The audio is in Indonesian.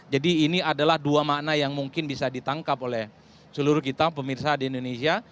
jadi ini adalah dua makna yang mungkin bisa ditangkap oleh seluruh kita pemirsa di indonesia